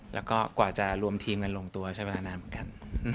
แล้วก็กว่าจะรวมทีมกันลงตัวใช้เวลานานเหมือนกัน